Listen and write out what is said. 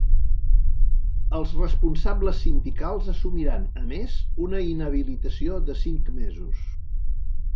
Els responsables sindicals assumiran, a més, una inhabilitació de cinc mesos.